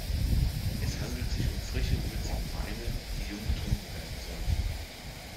Es handelt sich um frische, würzige Weine, die jung getrunken werden sollten.